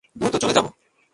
দ্রুতই চলে যাবো।